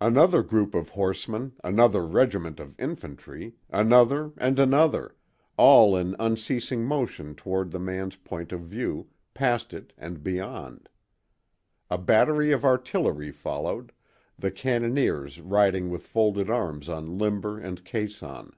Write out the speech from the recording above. Another group of horsemen, another regiment of infantry, another and another—all in unceasing motion toward the man's point of view, past it, and beyond. A battery of artillery followed, the cannoneers riding with folded arms on limber and caisson.